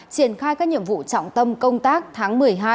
triển khai các nhiệm vụ trọng tâm công tác tháng một mươi hai